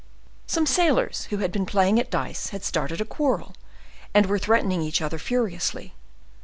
Some sailors who had been playing at dice had started a quarrel, and were threatening each other furiously.